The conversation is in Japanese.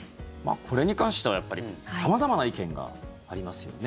これに関しては様々な意見がありますよね。